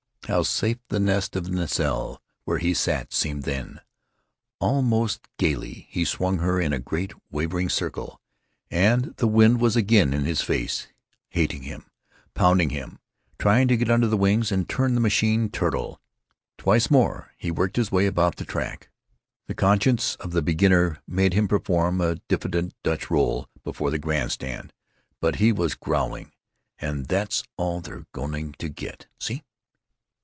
How safe the nest of the nacelle where he sat seemed then! Almost gaily he swung her in a great wavering circle—and the wind was again in his face, hating him, pounding him, trying to get under the wings and turn the machine turtle. Twice more he worked his way about the track. The conscience of the beginner made him perform a diffident Dutch roll before the grand stand, but he was growling, "And that's all they're going to get. See?"